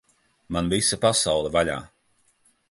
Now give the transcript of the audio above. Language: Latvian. Man visa pasaule vaļā!